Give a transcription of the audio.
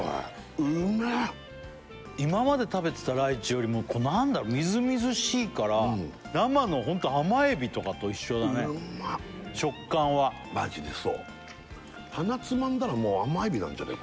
今まで食べてたライチよりもみずみずしいから生のホント甘エビとかと一緒だね食感はマジでそうなんじゃね？